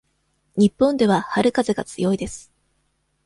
日本では春風が強いです。